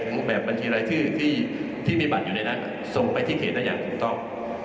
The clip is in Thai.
แบบบัญชีรายชื่อที่มีบัตรอยู่ในนั้นส่งไปที่เขตได้อย่างถูกต้อง